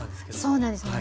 そうなんですよ。